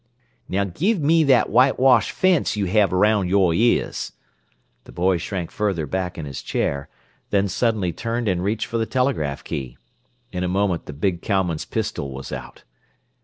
"Now give me that white washed fence you have around your ears." The boy shrank farther back in his chair, then suddenly turned and reached for the telegraph key. In a moment the big cowman's pistol was out.